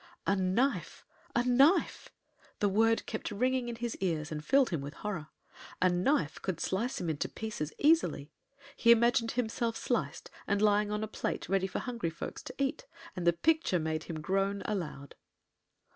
A knife! A knife! The word kept ringing in his ears and filled him with horror. A knife could slice him into pieces easily. He imagined himself sliced and lying on a plate ready for hungry folks to eat, and the picture made him groan aloud.